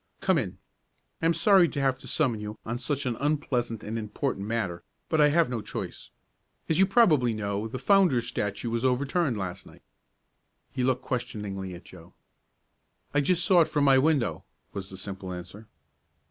"Come in. I am sorry to have to summon you on such an unpleasant and important matter, but I have no choice. As you probably know, the Founder's Statue was overturned last night." He looked questioningly at Joe. "I just saw it from my window," was the simple answer.